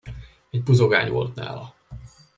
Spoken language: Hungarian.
Egy buzogány volt nála!